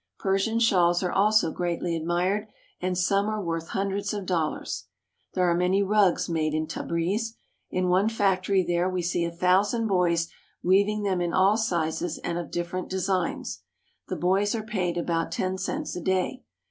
Persian shawls are also greatly admired, and some are worth hundreds of dollars. There are many rugs made in Tabriz. In one factory there we see a thousand boys weaving them in all sizes and of different designs. The boys are paid about ten cents a day.